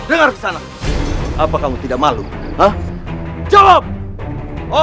aku harus menjadi pahlawan bagi gadis itu